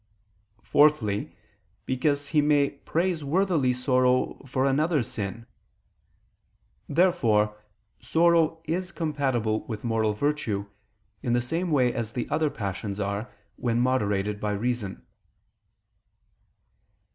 Fourthly, because he may praiseworthily sorrow for another's sin. Therefore sorrow is compatible with moral virtue in the same way as the other passions are when moderated by reason.